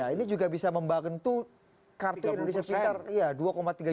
ini juga bisa membantu kartu indonesia pintar